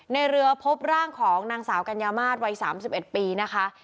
ในเรือพบร่างของนางสาวกัญญามาศวัย๓๑ปีนะคะ